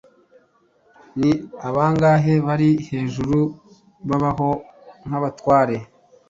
Ni bangahe bari hejuru babaho nk'abatware